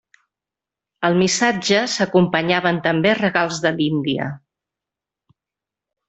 Al missatge s'acompanyaven també regals de l'Índia.